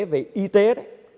về y tế đấy